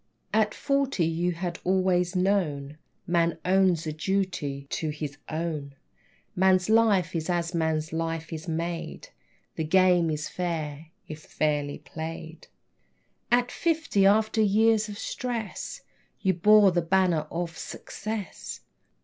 At forty you had always known Man owes a duty to His Own. Man's life is as man's life is made; The game is fair, if fairly played. At fifty, after years of stress You bore the banner of Success.